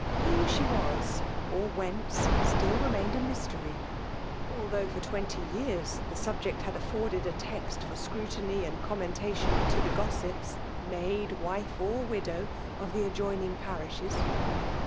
Who she was, or whence, still remained a mystery ; although for twenty years the sub ject had afforded a text for scrutiny and com tnentation to the gossips, maid, wife, or widow, of the adjoining parishes.